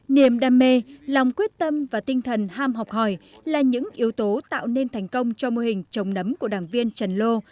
niềm đam mê lòng quyết tâm và tinh thần ham học hỏi là những yếu tố tạo nên thành công cho mô hình trồng nấm của đảng viên trần lô